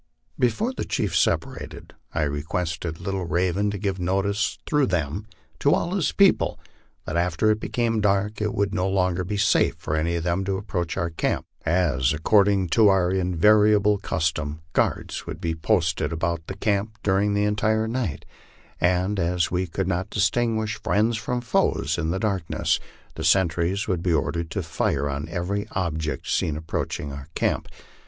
Before the chiefs separated, I requested Little Raven to give notice through them to all his people, that after it became dark it would no longer be safe for any of them to approach our camp, as, ac cording to our invariable custom, guards would be posted about camp during the entire night ; and as we could not distinguish friends from foes in the dark ness, the sentries would be ordered to fire on every object seen approaching our camp.